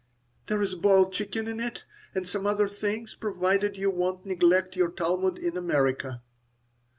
"There is a boiled chicken in it, and some other things, provided you won't neglect your Talmud in America."